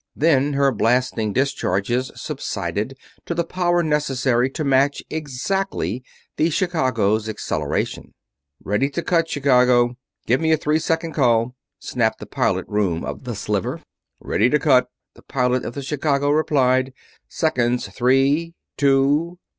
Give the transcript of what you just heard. Then her blasting discharges subsided to the power necessary to match exactly the Chicago's acceleration. "Ready to cut, Chicago! Give me a three second call!" snapped from the pilot room of the Sliver. "Ready to cut!" the pilot of the Chicago replied. "Seconds! Three! Two!